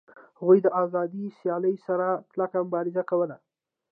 هغوی د آزادې سیالۍ سره کلکه مبارزه کوله